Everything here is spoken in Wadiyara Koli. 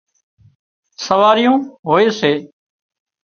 سواريون هوئي سي